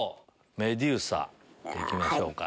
メデューサ行きましょうか。